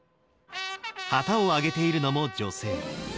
旗を揚げているのも女性。